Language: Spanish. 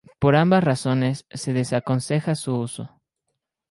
Por ambas razones se desaconseja su uso.